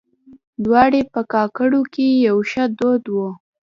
دراوۍ په کاکړو کې يو ښه دود وه.